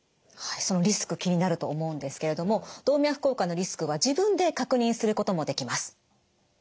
はいそのリスク気になると思うんですけれども動脈硬化のリスクは自分で確認することもできます。